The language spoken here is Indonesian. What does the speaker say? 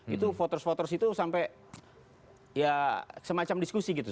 itu voters voters itu sampai ya semacam diskusi gitu